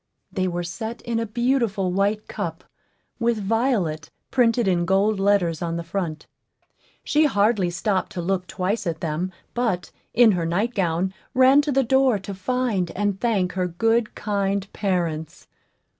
They were set in a beautiful white cup, with VIOLET printed in gold letters on the front. She hardly stopped to look twice at them, but, in her nightgown, ran to the door to find and thank her good, kind parents.